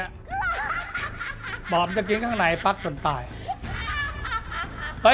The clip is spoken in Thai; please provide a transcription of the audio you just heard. ความจะกินข้างในไปหรือว่าผมจะตาย